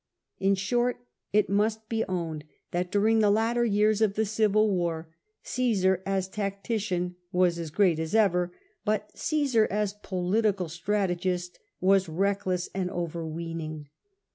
In short, it must be owned that during the latter years of the Civil War, Cmsar as tactician was as great as ever, but Cmsar as political strategist was reckless and over weening.